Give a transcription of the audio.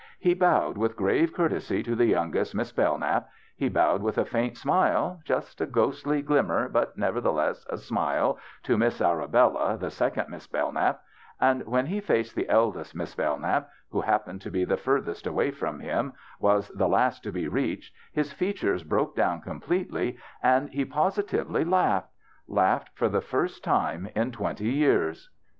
He bowed with grave courtesy to the young est Miss Bellknap ; he bowed with a faint smile —just a ghostly ghmmer, but, neverthe less, a smile— to Miss Arabella, the second Miss Bellknap ; and Avhen he faced the eld est Miss Bellknap, w^ho happening to be the furthest away from him was the last to be reached, his features broke down completely, and he positively laughed — laughed for the first time in twenty years.